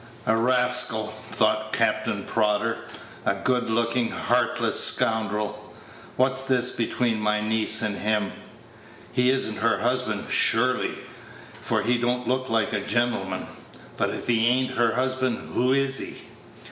"A rascal," thought Captain Prodder; "a good looking, heartless scoundrel. What's this between my niece and him? He is n't her husband, surely, for he don't look like a gentleman. But if he a'n't her husband, who is he?"